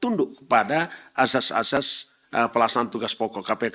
tunduk kepada asas asas pelaksanaan tugas pokok kpk